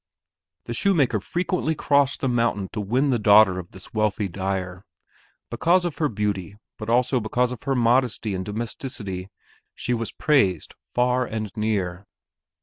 The shoemaker frequently crossed the mountain to win the daughter of this wealthy dyer. Because of her beauty, but also because of her modesty and domesticity she was praised far and near.